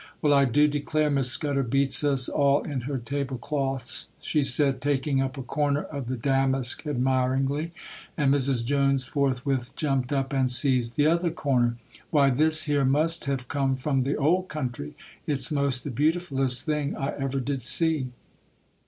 'Well, I do declare, Miss Scudder beats us all in her table cloths,' she said, taking up a corner of the damask, admiringly; and Mrs. Jones forthwith jumped up and seized the other corner. 'Why, this 'ere must have come from the Old Country. It's most the beautiflest thing I ever did see.